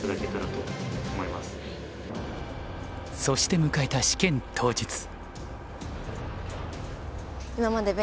そして迎えた試験当日。